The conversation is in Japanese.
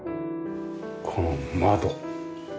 この窓。